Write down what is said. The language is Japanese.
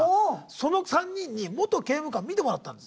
その３人に「元刑務官」見てもらったんです。